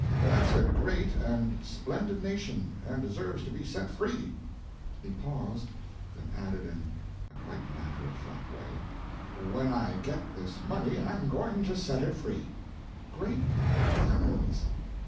That's a great and, splendid nation, and deserves to be set free." He paused, then added in a quite matter of fact way, "When I get this money I'm going to set it free." "Great guns!"